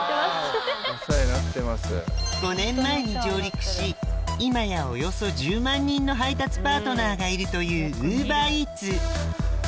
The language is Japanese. ５年前に上陸し今やおよそ１０万人の配達パートナーがいるというＵｂｅｒＥａｔｓ